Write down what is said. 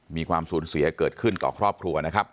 ท่านผู้ชมครับ